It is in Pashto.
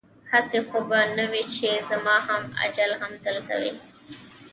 هسې خو به نه وي چې زما هم اجل همدلته وي؟